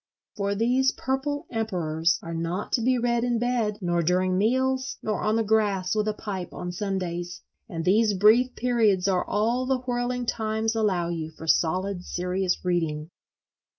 For these purple emperors are not to be read in bed, nor during meals, nor on the grass with a pipe on Sundays; and these brief periods are all the whirling times allow you for solid serious reading.